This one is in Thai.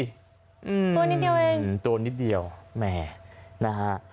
ตัวนิดเดียวเองตัวนิดเดียวแหมนะฮะ